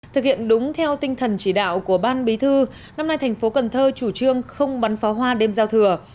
thực hiện đúng theo tinh thần chỉ đạo của ban bí thư năm nay thành phố cần thơ chủ trương không bắn pháo hoa đêm giao thừa